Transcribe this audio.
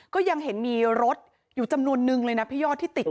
ก็ยังเห็นมีรถอยู่จำนวนนึงเลยนะพี่ยอดที่ติด